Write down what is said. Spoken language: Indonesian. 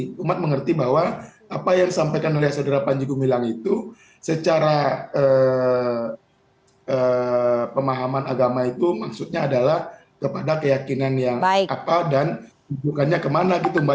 dan juga mengerti bahwa apa yang disampaikan oleh saudara panjiko milang itu secara pemahaman agama itu maksudnya adalah kepada keyakinan yang apa dan rujukannya kemana gitu mbak